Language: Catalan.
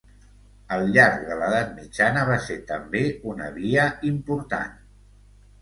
Al llarg de l'Edat Mitjana va ser també una via important.